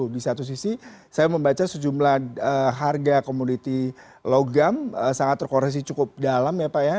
di satu sisi saya membaca sejumlah harga komoditi logam sangat terkoresi cukup dalam ya pak ya